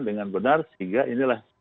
dengan benar sehingga inilah